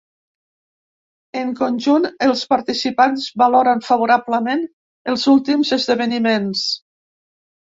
En conjunt, els participants valoren favorablement els últims esdeveniments.